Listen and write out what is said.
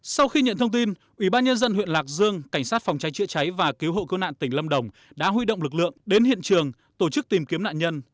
sau khi nhận thông tin ủy ban nhân dân huyện lạc dương cảnh sát phòng cháy chữa cháy và cứu hộ cứu nạn tỉnh lâm đồng đã huy động lực lượng đến hiện trường tổ chức tìm kiếm nạn nhân